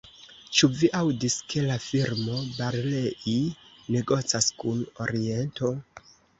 Ĉu vi aŭdis, ke la firmo Barlei negocas kun Oriento?